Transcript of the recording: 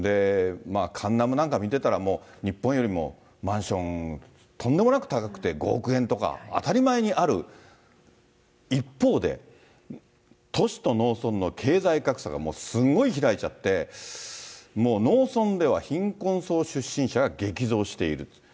カンナムなんか見てたら、日本よりもマンション、とんでもなく高くて、５億円とか当たり前にある一方で、都市と農村の経済格差がもうすごい開いちゃって、農村では貧困層出身者が激増している。